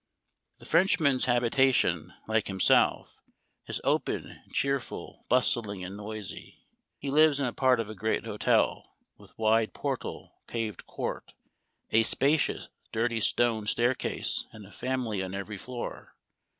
" The Frenchman's habitation, like himself, is open, cheerful, bustling, and noisy. He lives in a part of a great hotel, with wide portal, paved court, a spacious, dirty stone staircase, and a family on every floor.